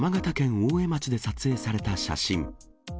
大江町で撮影された写真。